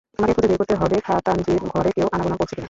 তোমাকে খুঁজে বের করতে হবে খাতাঞ্জির ঘরে কেউ আনাগোনা করছে কি না।